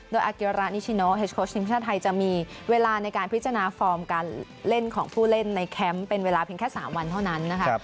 โดยอาเกียรานิชิโนเฮสโค้ชทีมชาติไทยจะมีเวลาในการพิจารณาฟอร์มการเล่นของผู้เล่นในแคมป์เป็นเวลาเพียงแค่๓วันเท่านั้นนะคะ